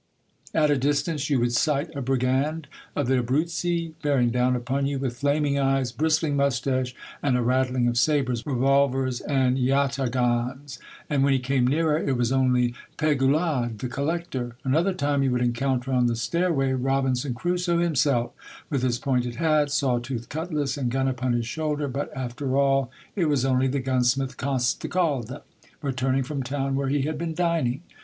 At a distance you would sight a brigand of the Abruzzi, bear ing down upon you with flaming eyes, bristling moustache, and a rattling of sabres, revolvers, and The Defence of Tar as con, 75 yataghans; and when he came nearer it was only Pegoulade, the collector. Another time you would encounter on the stairway Robinson Crusoe him self, with his pointed hat, saw toothed cutlass, and gun upon his shoulder, but, after all, it was only the gunsmith Costecalde, returning from town where he had been dining.